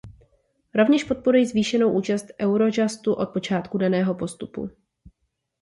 Rovněž podporuji zvýšenou účast Eurojustu od počátku daného postupu.